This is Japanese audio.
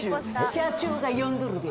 社長が呼んどるで。